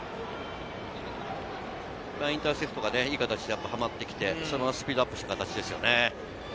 インターセプトがいい形ではまってきて、スピードアップした形ですよね。